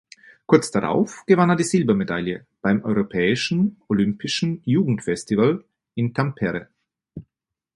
Kurz darauf gewann er die Silbermedaille beim Europäischen Olympischen Jugendfestival in Tampere.